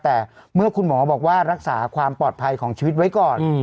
แต่เมื่อคุณหมอบอกว่ารักษาความปลอดภัยของชีวิตไว้ก่อน